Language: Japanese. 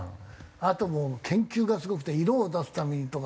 あともう研究がすごくて色を出すためにとか。